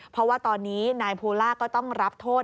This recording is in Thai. เพราะว่าตอนนี้นายภูล่าก็ต้องรับโทษ